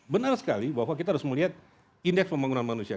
benar sekali bahwa kita harus melihat indeks pembangunan manusia